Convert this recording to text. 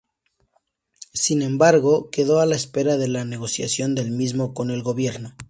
Sin embargo, quedó a la espera de la negociación del mismo con el gobierno.